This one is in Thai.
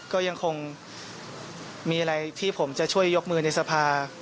ก็ยังคงมีอะไรที่ผมจะช่วยยกมือในสภา